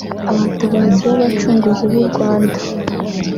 Abatabazi b’Abacunguzi b’u Rwanda